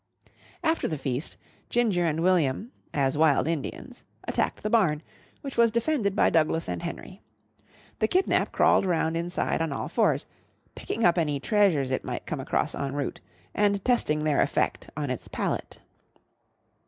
After the "feast," Ginger and William, as Wild Indians, attacked the barn, which was defended by Douglas and Henry. The "kidnap" crawled round inside on all fours, picking up any treasures it might come across en route and testing their effect on its palate.